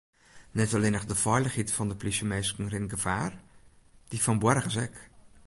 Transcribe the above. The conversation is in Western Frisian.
Net allinnich de feilichheid fan de plysjeminsken rint gefaar, dy fan boargers ek.